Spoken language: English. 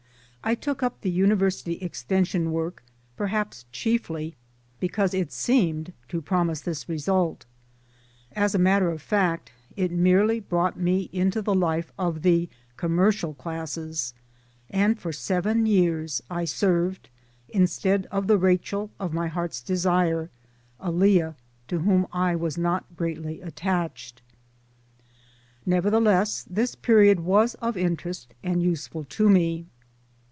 I took up the University Extension work perhaps chiefly because it seemed to promise this result. As a matter of fact it merely brought me into the life of the commercial classes ; and for seven years I served instead of the Rachel of my heart's desire a Leah to whom I was not greatly attached. Nevertheless this period was of interest and useful to me.